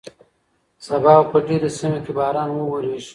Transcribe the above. سبا به په ډېرو سیمو کې باران وورېږي.